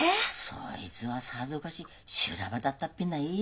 そいつはさぞかし修羅場だったっぺない。